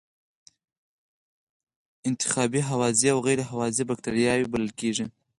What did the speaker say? انتحابی هوازی او غیر هوازی بکټریاوې بلل کیږي.